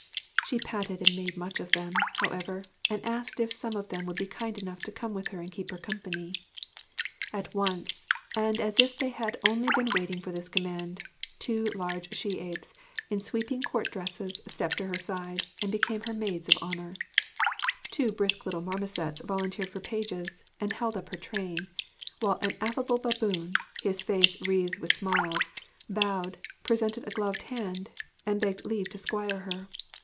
She patted and made much of them, however, and asked if some of them would be kind enough to come with her and keep her company. At once, and as if they had only been waiting for this command, two large she apes in sweeping court dresses stepped to her side and became her maids of honour; two brisk little marmosets volunteered for pages and held up her train; while an affable baboon, his face wreathed with smiles, bowed, presented a gloved hand, and begged leave to squire her.